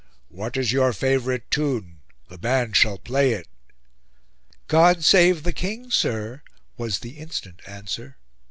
"What is your favourite tune? The band shall play it." "God save the King, sir," was the instant answer.